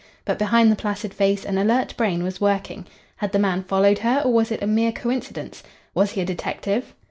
But behind the placid face an alert brain was working. Had the man followed her, or was it a mere coincidence? Was he a detective?